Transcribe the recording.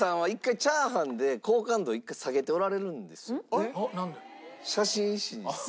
えっなんで？